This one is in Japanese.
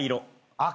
赤。